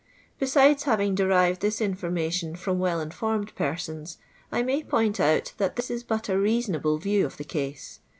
Besides having derived this information from well informed persons, I may point out that this is but a reasonable view of the case.